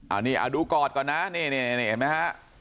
อันนี้ดูกอดก่อนนะนี่เห็นไหมฮะ